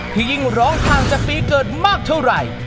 ที่ยิ่งร้องทางจะฟีเกิดมากเท่าไร